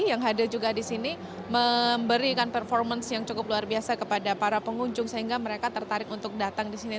yang hadir juga di sini memberikan performance yang cukup luar biasa kepada para pengunjung sehingga mereka tertarik untuk datang di sini